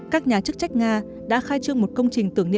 các nhà chức trách nga đã khai trương một công trình tưởng niệm